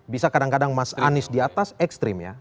bisa kadang kadang mas anies di atas ekstrim ya